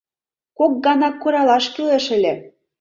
— Кок гана куралаш кӱлеш ыле...